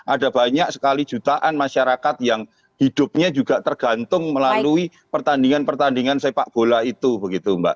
ada banyak sekali jutaan masyarakat yang hidupnya juga tergantung melalui pertandingan pertandingan sepak bola itu begitu mbak